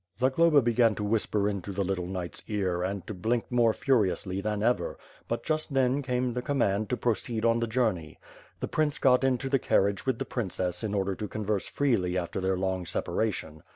Zagloba began to whisper into the little knight's ear and to blink more furiously than ever, but just then came the command to proceed on the journey. The prince got into the carriage with the princess in order to converse freely after their long separation.